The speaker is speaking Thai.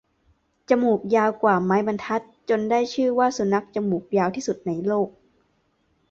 จมูกยาวกว่าไม้บรรทัด จนได้ชื่อว่า สุนัขจมูกยาวที่สุดในโลก